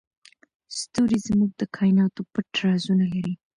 ستوري زموږ د کایناتو پټ رازونه لري.